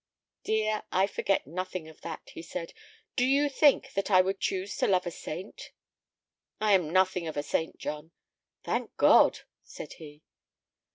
"Dear, I forget nothing of that," he said. "Do you think that I would choose to love a saint?" "I am nothing of a saint, John." "Thank God," said he.